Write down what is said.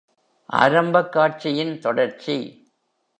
ஆரம்பக் காட்சியின் தொடர்ச்சி.